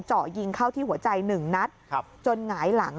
เจาะยิงเข้าที่หัวใจหนึ่งนัดจนหงายหลัง